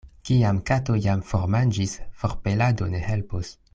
Kiam kato jam formanĝis, forpelado ne helpos.